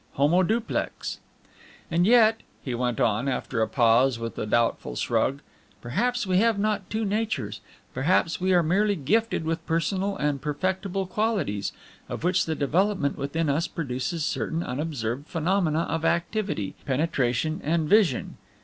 Homo duplex! "And yet," he went on, after a pause, with a doubtful shrug, "perhaps we have not two natures; perhaps we are merely gifted with personal and perfectible qualities, of which the development within us produces certain unobserved phenomena of activity, penetration, and vision.